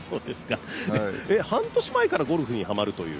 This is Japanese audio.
半年前からゴルフにはまるという？